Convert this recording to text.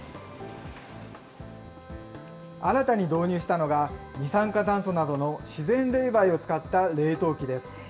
新たに導入したのが、二酸化炭素などの自然冷媒を使った冷凍機です。